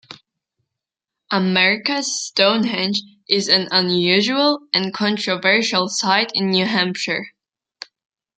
America's Stonehenge is an unusual and controversial site in New Hampshire.